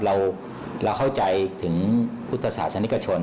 เราเข้าใจถึงพุทธศาสนิกชน